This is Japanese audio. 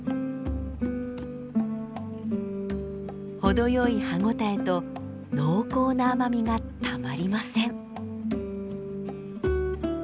ほどよい歯応えと濃厚な甘みがたまりません。